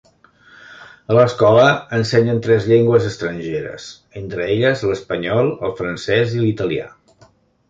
A l'escola ensenyen tres llengües estrangeres, entre elles l'espanyol, el francès i l'italià.